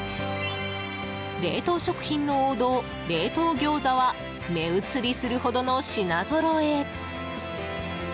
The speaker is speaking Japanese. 冷凍食品の王道、冷凍ギョーザは目移りするほどの品ぞろえ。